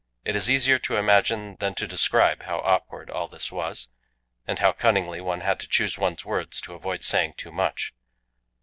It is easier to imagine than to describe how awkward all this was, and how cunningly one had to choose one's words to avoid saying too much.